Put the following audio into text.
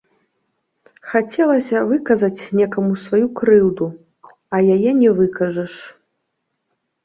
Хацелася выказаць некаму сваю крыўду, а яе не выкажаш.